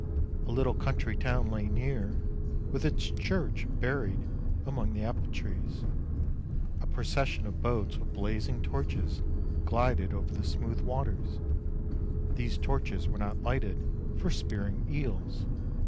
A little country town lay near, with its church buried among apple trees. A procession of boats with blazing torches glided over the smooth waters; these torches were not lighted for spearing eels.